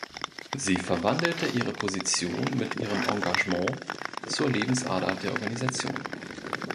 Sie verwandelte ihre Position mit ihrem Engagement zur Lebensader der Organisation.